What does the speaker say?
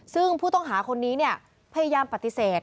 ซึ่งผู้ต้องหาคนนี้พยายามปฏิเสธ